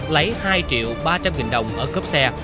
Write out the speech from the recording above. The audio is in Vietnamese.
lấy hai ba trăm linh đồng ở cốp xe